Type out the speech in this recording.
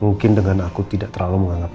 mungkin dengan aku tidak terlalu menganggap